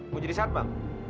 mau jadi satbang